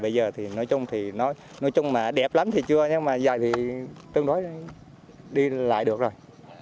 bây giờ thì nói chung mà đẹp lắm thì chưa nhưng mà dài thì tương đối đi lại được rồi